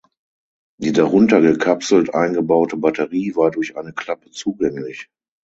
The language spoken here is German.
Die darunter gekapselt eingebaute Batterie war durch eine Klappe zugänglich.